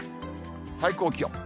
最高気温。